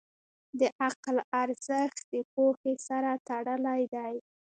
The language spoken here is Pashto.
د عقل ارزښت د پوهې سره تړلی دی.